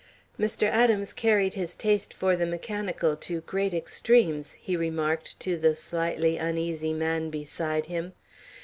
"Mr. Adams carried his taste for the mechanical to great extremes," he remarked to the slightly uneasy man beside him.